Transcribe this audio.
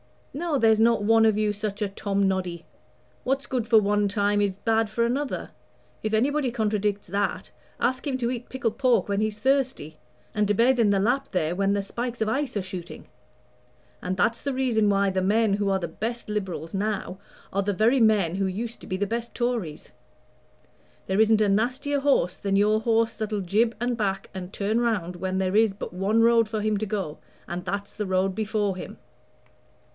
No, there's not one of you such a Tom noddy. What's good for one time is bad for another. If anybody contradicts that, ask him to eat pickled pork when he's thirsty, and to bathe in the Lapp there when the spikes of ice are shooting. And that's the reason why the men who are the best Liberals now are the very men who used to be the best Tories. There isn't a nastier horse than your horse that'll jib and back and turn round when there is but one road for him to go, and that's the road before him.